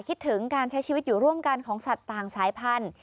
คิดถึงการใช้ชีวิตอยู่ร่วมกันของสัตว์ต่างสายพันธุ์